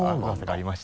ありまして。